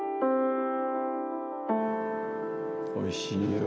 おいしいよ。